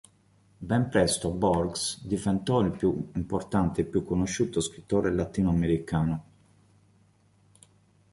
Ben presto Borges diventò il più importante e più conosciuto scrittore latinoamericano.